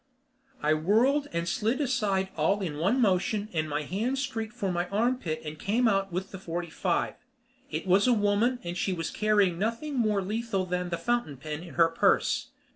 I whirled and slid aside all in one motion and my hand streaked for my armpit and came out with the forty five. It was a woman and she was carrying nothing more lethal than the fountain pen in her purse.